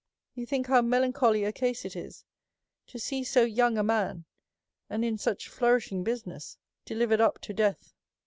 You think how melancholy a case it is to see so young a man, and in such flourishing bu siness, delivered up (o death.